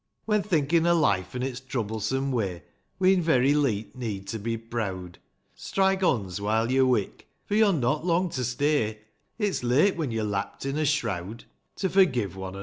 When thinkin' o' life an' its troublesome way, We'n very leet need* to be proud ; Strike bonds while yo're wick ; for yo'n not long to stay; It's late, when yo're lapped in a shreawd, To forgive one another